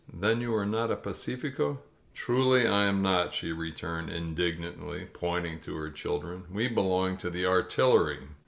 'TThen you are not a p^cificof "Truly I am not," she returned indignantly, point ing to her children. "We belong to the artillery."